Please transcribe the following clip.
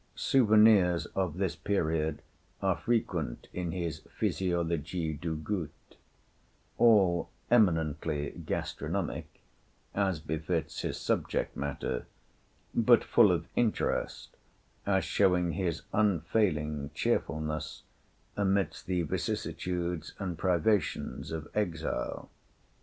Souvenirs of this period are frequent in his 'Physiologie du Goût', all eminently gastronomic, as befits his subject matter, but full of interest, as showing his unfailing cheerfulness amidst the vicissitudes and privations of exile.